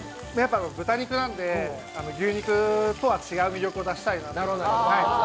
豚肉なので、牛肉とは違う魅力を出したいなと。